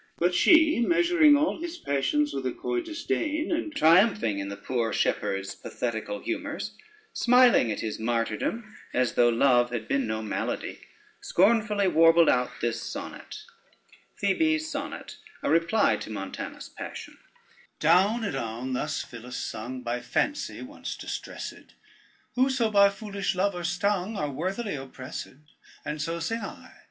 But she, measuring all his passions with a coy disdain, and triumphing in the poor shepherd's pathetical humors, smiling at his martyrdom as though love had been no malady, scornfully warbled out this sonnet: Phoebe's Sonnet, a Reply to Montanus' Passion Down a down, Thus Phyllis sung, By fancy once distressed; Whoso by foolish love are stung Are worthily oppressed. And so sing I.